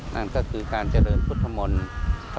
นั่นก็คือการเจริญพุทธมนต์